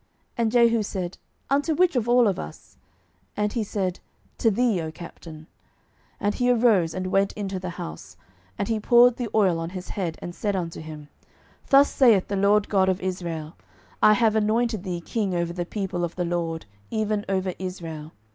And Jehu said, Unto which of all us? And he said, To thee, O captain. 12:009:006 And he arose, and went into the house; and he poured the oil on his head, and said unto him, Thus saith the LORD God of Israel, I have anointed thee king over the people of the LORD, even over Israel.